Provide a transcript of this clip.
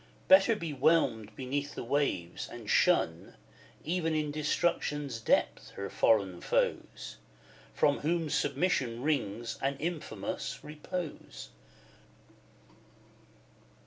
Better be whelmed beneath the waves, and shun, Even in Destruction's depth, her foreign foes, From whom submission wrings an infamous repose.